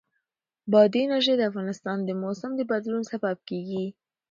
بادي انرژي د افغانستان د موسم د بدلون سبب کېږي.